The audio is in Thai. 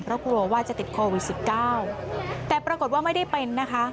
เพราะกลัวว่าจะติดโควิดสิบเก้าแต่ปรากฏว่าไม่ได้เป็นนะคะ